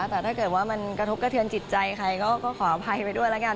แต่ถ้าเกิดว่ามันกระทบกระเทือนจิตใจใครก็ขออภัยไปด้วยแล้วกัน